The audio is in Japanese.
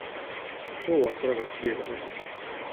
今日は空がきれいだね。